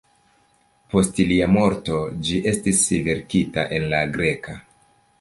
Post lia morto ĝi estis verkita en la greka.